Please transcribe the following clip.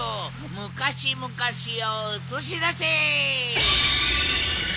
むかしむかしをうつしだせ。